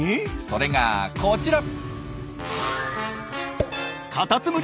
それがこちら！